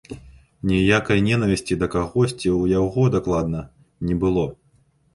Ніякай нянавісці да кагосьці ў яго дакладна не было.